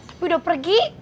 tapi udah pergi